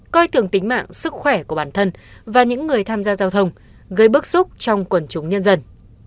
coi thường tính mạng sức khỏe của bản thân và những người tham gia giao thông gây bức xúc trong quần chúng nhân dân